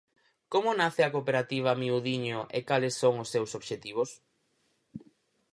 Como nace a cooperativa Miudiño e cales son os seus obxectivos?